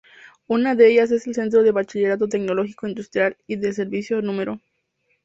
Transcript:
Una de ellas es el Centro de Bachillerato Tecnológico Industrial y de Servicios No.